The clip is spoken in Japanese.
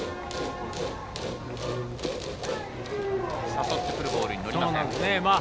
誘ってくるボールにのりません。